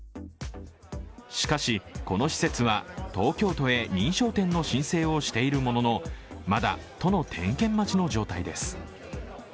しかし、この施設は東京都へ認証店の申請をしているものの、まだ、都の点検待ちの状態です。